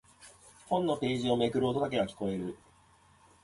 本のページをめくる音だけが聞こえる。